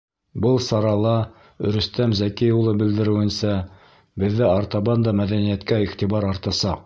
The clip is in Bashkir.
Был сарала Рөстәм Зәки улы белдереүенсә, беҙҙә артабан да мәҙәниәткә иғтибар артасаҡ.